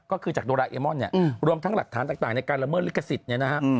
ก็คือจากโดราเอมอนเนี่ยรวมทั้งหลักฐานต่างในการละเมิดลิขสิทธิ์เนี่ยนะฮะ